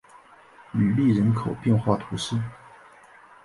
吕利人口变化图示